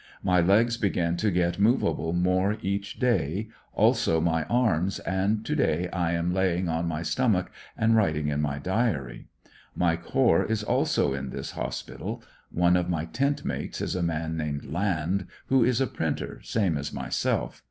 My legs began to get movable more each day, iilso my arms, and to day I am laying on my stom ach and waiting in my diary. Mike Hoare is also in this hospital. One of my tentmates is a man named Land, who is a printer, same as myself.